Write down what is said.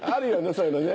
そういうのね。